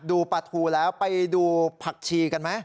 ดูปลาทูแล้วไปดูผักชีกันไหม